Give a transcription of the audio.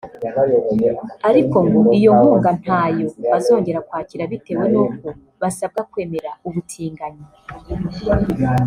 ariko ngo iyo nkunga ntayo bazongera kwakira bitewe n’uko basabwa kwemera ubutinganyi